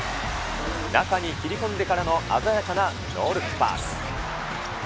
中に切り込んでからの鮮やかなノールックパス。